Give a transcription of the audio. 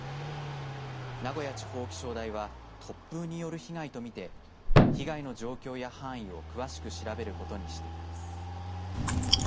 名古屋地方気象台は突風による被害と見て被害の状況や範囲を詳しく調べることにしています。